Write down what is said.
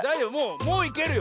もういけるよ。